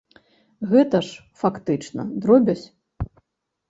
Гэта ж, фактычна, дробязь?